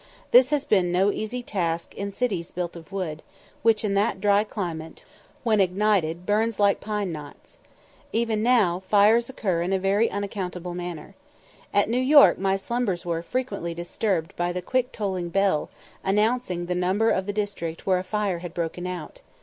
This has been no easy task in cities built of wood, which in that dry climate, when ignited, burns like pine knots. Even now, fires occur in a very unaccountable manner. At New York my slumbers were, frequently disturbed by the quick tolling bell, announcing the number of the district where a fire had broken out.